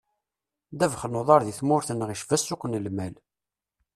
Ddabex n uḍar di tmurt-nneɣ icba ssuq n lmal.